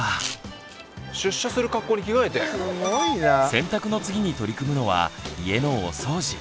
「洗濯」の次に取り組むのは「家のお掃除」。